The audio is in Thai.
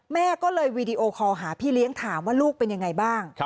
แม่ก็เลยวีดีโอคอลหาพี่เลี้ยงถามว่าลูกเป็นยังไงบ้าง